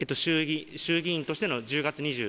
衆議院としての１０月２０。